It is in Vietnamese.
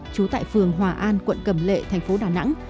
trú tại phường hòa an quận cầm lệ thành phố đà nẵng